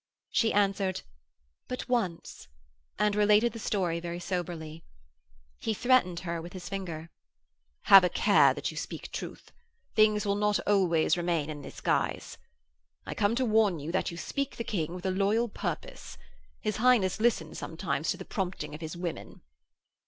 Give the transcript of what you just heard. She answered: 'But once,' and related the story very soberly. He threatened her with his finger. 'Have a care that you speak truth. Things will not always remain in this guise. I come to warn you that you speak the King with a loyal purpose. His Highness listens sometimes to the promptings of his women.'